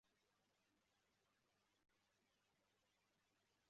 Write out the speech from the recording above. Umukinnyi wa tennis wumugore arimo kuzunguza racket ye